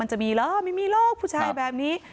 จะมีเหรอไม่มีหรอกผู้ชายแบบนี้